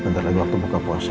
bentar lagi waktu buka puasa